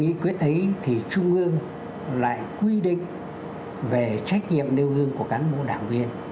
nghị quyết ấy thì trung ương lại quy định về trách nhiệm nêu gương của cán bộ đảng viên